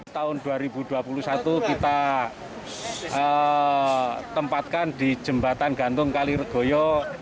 tahun dua ribu dua puluh satu kita tempatkan di jembatan gantung kaliregoyo